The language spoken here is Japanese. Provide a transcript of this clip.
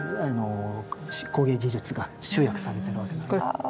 工芸技術が集約されてるわけなんです。